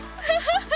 ハハハハ！